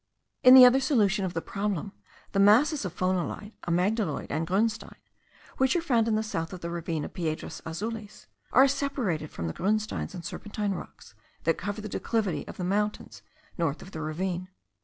In the other solution of the problem, the masses of phonolite, amygdaloid, and grunstein, which are found in the south of the ravine of Piedras Azules, are separated from the grunsteins and serpentine rocks that cover the declivity of the mountains north of the ravine.